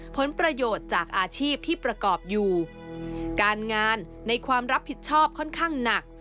ผลประโยชน์จากอาชีพที่ประกอบอยู่การงานในความรับผิดชอบค่อนข้างหนัก